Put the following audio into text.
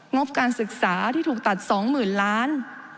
งบการศึกษาที่ถูกตัด๒๐๐๐ล้าน